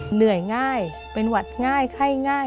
เหนื่อยง่ายเป็นหวัดง่ายไข้ง่าย